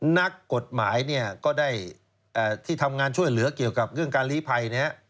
นักกฎหมายเนี่ยก็ได้ที่ทำงานช่วยเหลือเกี่ยวกับเรื่องการลีภัย